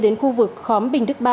đến khu vực khóm bình đức ba